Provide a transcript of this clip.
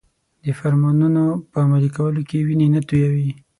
د فرمانونو په عملي کولو کې وینې نه تویوي.